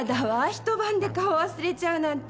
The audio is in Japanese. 一晩で顔忘れちゃうなんて。